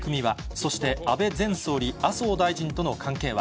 そして、安倍前総理、麻生大臣との関係は。